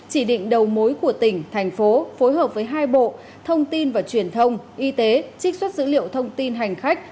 chỉ định đầu mối của tỉnh thành phố phối hợp với hai bộ thông tin và truyền thông y tế trích xuất dữ liệu thông tin hành khách